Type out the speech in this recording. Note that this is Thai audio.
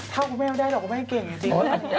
ถ้าคุณแม่ได้คุณแม่เก่งอยู่จริง